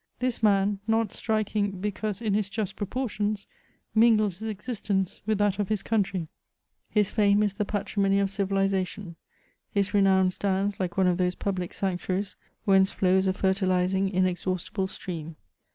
This man, not striking because in his just proportions, mingled his existence with that of his country ; his &me is the patrimony of civilisation ; his renown stands like one of those public sanctuaries whence flows a fertilis ing, inexhaustible stream.